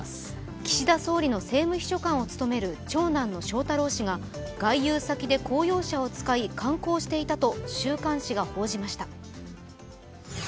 岸田総理の政務秘書官を務める長男の翔太郎氏が外遊先で公用車を使い観光していたと週刊誌が報じました。